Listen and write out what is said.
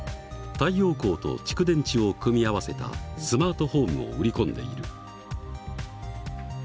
太陽光と蓄電池を組み合わせたスマートホームを売り込んでいる。